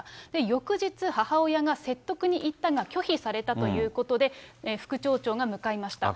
翌日、母親が説得に行ったが拒否されたということで、副町長が向かいました。